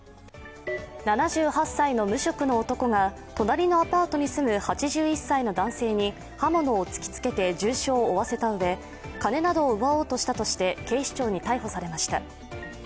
７８歳の無職の男が隣のアパートに住む８１歳の男性に刃物を突きつけて重傷を負わせたうえ金などを奪おうとしたとして警視庁に逮捕されました。